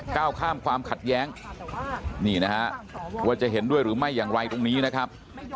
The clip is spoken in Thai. ก้าวข้ามความขัดแย้งนี่นะฮะว่าจะเห็นด้วยหรือไม่อย่างไรตรงนี้นะครับ